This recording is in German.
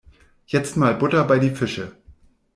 Jetzt mal Butter bei die Fische.